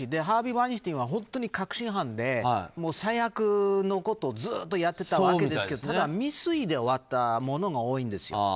ハーベイ・ワインスタインは本当に確信犯で最悪のことをずっとやっていたわけですけどただ、未遂で終わったものが多いんですよ。